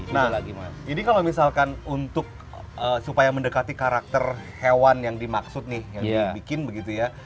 nah jadi kalau misalkan untuk supaya mendekati karakter hewan yang dimaksud nih yang dibikin begitu ya